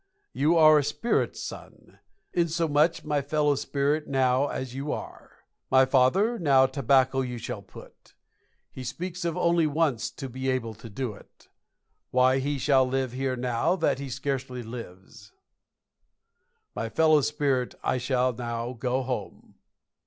You are a spirit son. Insomuch my fellow spirit now as you are. My father now tobacco you shall put. He speaks of only once to be able to do it. Why he shall live here now that he scarcely lives; my fellow spirit I shall now go home."